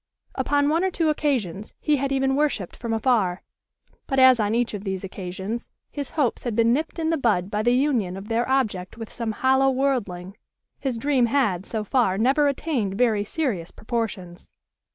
Upon one or two occasions, he had even worshipped from afar; but as on each of these occasions his hopes had been nipped in the bud by the union of their object with some hollow worldling, his dream had, so far, never attained very serious proportions.